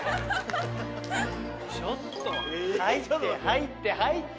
ちょっと入って入って入って。